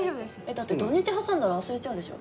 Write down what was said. だって土日挟んだら忘れちゃうでしょ。